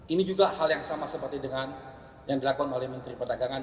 ini juga hal yang sama seperti dengan yang dilakukan oleh menteri perdagangan